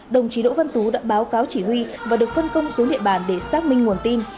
đồng chí đỗ văn tú đã báo cáo chỉ huy và được phân công xuống địa bàn để xác minh nguồn tin